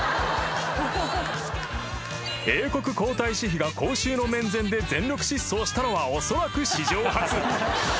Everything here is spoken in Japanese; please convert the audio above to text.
［英国皇太子妃が公衆の面前で全力疾走したのはおそらく史上初］